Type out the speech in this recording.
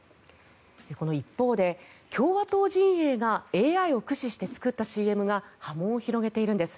この一方で、共和党陣営がＡＩを駆使して作ったＣＭが波紋を広げているんです。